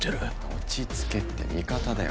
落ち着けって味方だよ